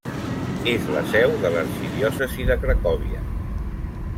És la seu de l'arxidiòcesi de Cracòvia.